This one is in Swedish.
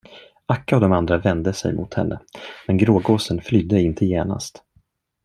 Akka och de andra vände sig mot henne, men grågåsen flydde inte genast.